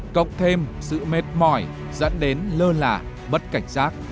cộng thêm sự mệt mỏi dẫn đến lơ lả bất cảnh giác